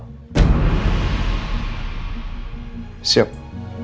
jangan lupa ya dihikiki pak